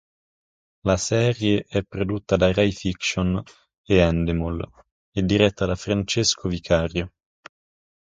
La serie è prodotta da Rai Fiction e Endemol, e diretta da Francesco Vicario.